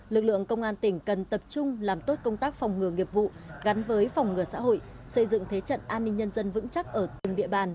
lực lượng công an tỉnh cần tập trung làm tốt công tác phòng ngừa nghiệp vụ gắn với phòng ngừa xã hội xây dựng thế trận an ninh nhân dân vững chắc ở từng địa bàn